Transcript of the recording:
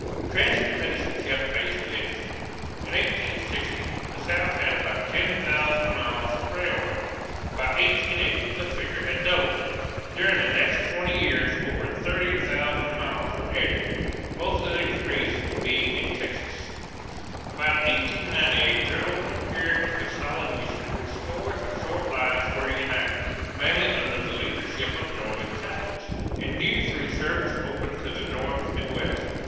Transportation kept pace with industry. In 1860, the South had about ten thousand miles of railway. By 1880 the figure had doubled. During the next twenty years over thirty thousand miles were added, most of the increase being in Texas. About 1898 there opened a period of consolidation in which scores of short lines were united, mainly under the leadership of Northern capitalists, and new through service opened to the North and West.